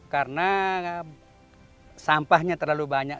karena sampahnya terlalu banyak